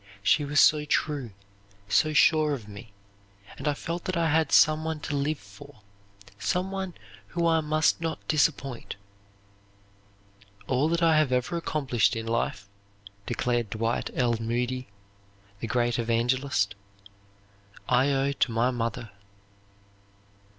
"She was so true, so sure of me; and I felt that I had some one to live for; some one I must not disappoint." "All that I have ever accomplished in life," declared Dwight L. Moody, the great evangelist, "I owe to my mother."